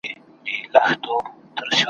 ښکارول به یې سېلونه د مرغانو ,